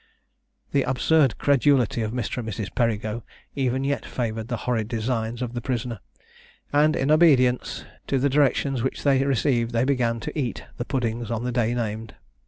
The absurd credulity of Mr. and Mrs. Perigo even yet favoured the horrid designs of the prisoner; and, in obedience to the directions which they received, they began to eat the puddings on the day named.